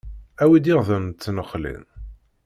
Awi-d iɣden n tneqlin.